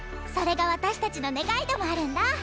それが私たちの願いでもあるんだ。